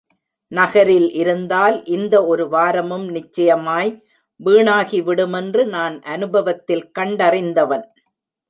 நகரில் இருந்தால் இந்த ஒரு வாரமும் நிச்சயமாய் வீணாகி விடுமென்று நான் அனுபவத்தில் கண்டறிந்தவன்.